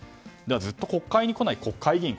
ずっと国会に来ない国会議員